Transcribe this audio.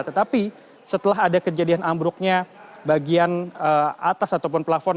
tetapi setelah ada kejadian ambruknya bagian atas ataupun plafon